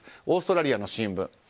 オーストラリアの新聞。